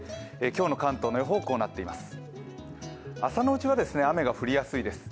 今日の関東の予報こうなっています。